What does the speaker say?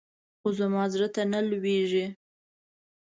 خو زما زړه ته نه لوېږي.